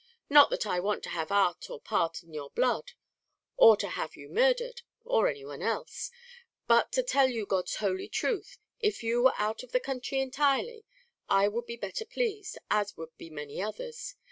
Not that I want to have art or part in your blood, or to have you murdhered or any one else. But to tell you God's holy truth, if you were out of the counthry intirely, I would be better plased, as would be many others.